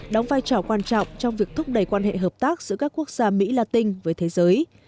đóng vai trò quan trọng trong việc thúc đẩy quan hệ hợp tác giữa các quốc gia mỹ la tinh với thế giới